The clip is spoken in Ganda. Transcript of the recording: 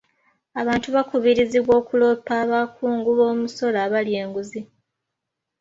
Abantu bakubirizibwa okuloopa abakungu b'omusolo abalya enguzi.